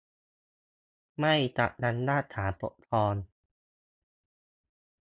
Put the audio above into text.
ไม่ตัดอำนาจศาลปกครอง